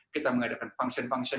kita mengadakan function function